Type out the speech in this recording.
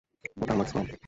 ওটা আমার স্কোয়াড।